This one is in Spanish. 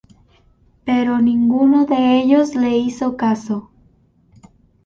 Pero ninguno de ellos le hizo caso.